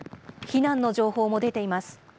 避難の情報も出ています。